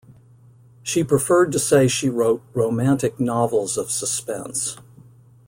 She preferred to say she wrote "romantic novels of suspense".